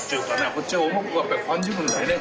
こっちが重くやっぱり感じるんだよね。